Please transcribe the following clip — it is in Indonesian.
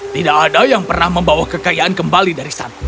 tidak ada yang pernah membawa kekayaan kembali dari santri